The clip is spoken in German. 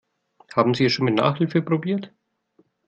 Haben Sie es schon mit Nachhilfe probiert?